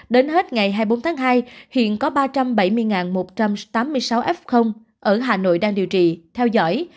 đến hết ngày hai mươi bốn tháng hai hiện có ba trăm bảy mươi một trăm tám mươi sáu f ở hà nội đang điều trị theo dõi